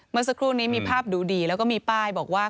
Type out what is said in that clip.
เมื่อสักครู่นี้มีภาพดูดีแล้วก็มีป้ายบอกว่า